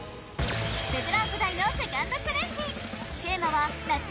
ベテラン世代のセカンドチャレンジ！